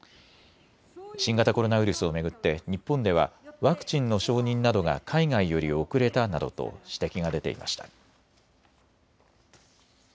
新型コロナウイルスを巡って日本ではワクチンの承認などが海外より遅れたなどと指摘が出ていました。